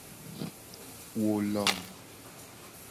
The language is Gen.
Wo lom.